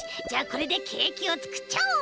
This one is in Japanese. これでケーキをつくっちゃおう！